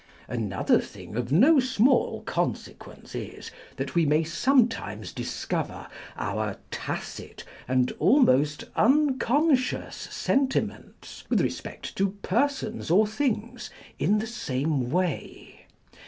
Another thing of no small consequence is, that we may sometimes discover our tacit, and almost unconscious sentiments, with respect to persons or things in the same way.